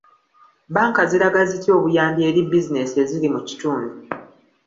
Bbanka ziraga zitya obuyambi eri bizinesi eziri mu kitundu.